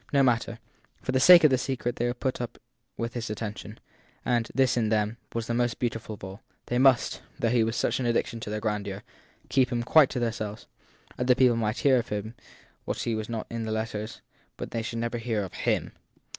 No matter; for the sake of the secret they would put up with his attention ; and this, in them, was most beau tiful of all they must, though he was such an addition to their grandeur, keep him quite to themselves. Other people might hear of what was in the letters, but they should never hear of him.